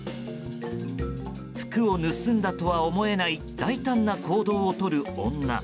服を盗んだとは思えない大胆な行動をとる女。